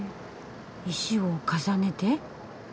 石を重ねて。